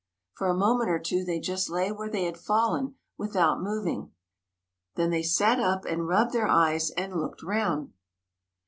For a moment or two they just lay where they had fallen without moving; then they sat up and rubbed their eyes and looked round.